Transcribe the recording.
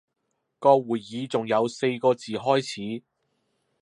個會議仲有四個字開始